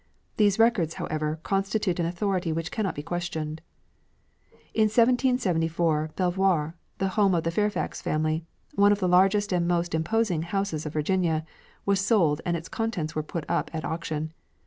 These records, however, constitute an authority which cannot be questioned. In 1774 Belvoir, the home of the Fairfax family, one of the largest and most imposing of houses of Virginia, was sold and its contents were put up at auction.